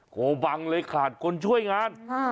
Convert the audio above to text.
โกบังเลยขาดคนช่วยงาน